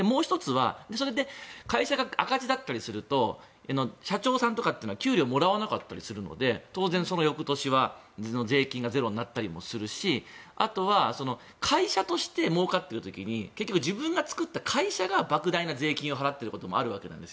それで会社が赤字だったりすると社長さんは給料をもらわなかったりするので当然、その翌年は税金がゼロになったりもするしあとは会社としてもうかっている時に結局、自分が作った会社がばく大な税金を払っていることもあると思うんです。